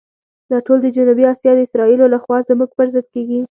دا ټول د جنوبي آسیا د اسرائیلو لخوا زموږ پر ضد کېږي.